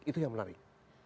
itu yang menarik